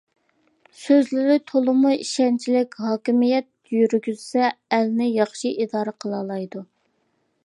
سۆزلىرى تولىمۇ ئىشەنچلىك، ھاكىمىيەت يۈرگۈزسە ئەلنى ياخشى ئىدارە قىلالايدۇ.